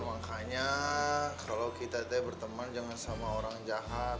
makanya kalau kita itu berteman jangan sama orang jahat